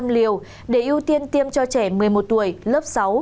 liều để ưu tiên tiêm cho trẻ một mươi một tuổi lớp sáu